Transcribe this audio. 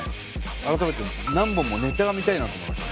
改めて何本もネタが見たいなと思いましたね。